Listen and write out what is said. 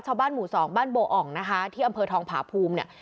ชาวบ้านหมู่สองบ้านโบอ่องนะคะที่อำเภอทองผาภูมิเนี่ย